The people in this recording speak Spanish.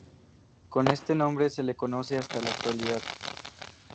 Con este nombre se le conoce hasta la actualidad.